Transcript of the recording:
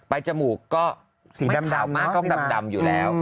ปลายจมูกก็ไม่ขาวมากก็ดำอยู่แล้ว